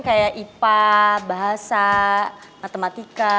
kayak ipa bahasa matematika